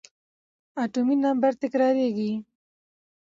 اتومي نمبر تکرارېږي.